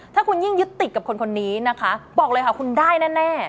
ถ้าคุณยิ่งยึดติดกับคนคนนี้นะคะบอกเลยค่ะคุณได้แน่